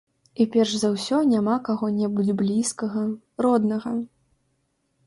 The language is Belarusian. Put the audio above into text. І перш за ўсё няма каго-небудзь блізкага, роднага.